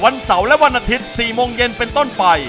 เสาร์และวันอาทิตย์๔โมงเย็นเป็นต้นไป